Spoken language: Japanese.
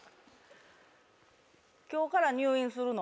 今日から入院するの？